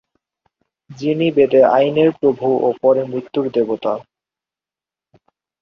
যিনি বেদে আইনের প্রভু ও পরে মৃত্যুর দেবতা।